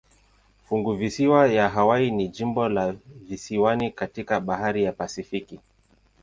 Funguvisiwa ya Hawaii ni jimbo la visiwani katika bahari ya Pasifiki.